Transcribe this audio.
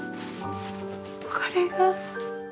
これが恋？